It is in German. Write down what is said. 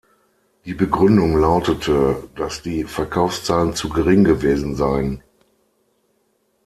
Die Begründung lautete, dass die Verkaufszahlen zu gering gewesen seien.